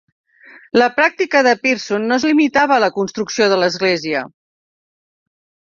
La pràctica de Pearson no es limitava a la construcció de l'església.